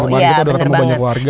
kita sudah ketemu banyak warga